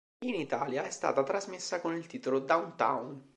In Italia è stata trasmessa con il titolo "Downtown".